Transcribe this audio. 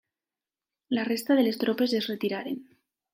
La resta de les tropes es retiraren.